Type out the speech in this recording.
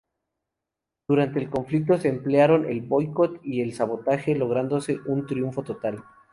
Durante el conflicto se emplearon el boicot y el sabotaje, lográndose un triunfo total.